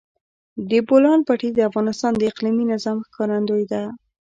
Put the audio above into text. د بولان پټي د افغانستان د اقلیمي نظام ښکارندوی ده.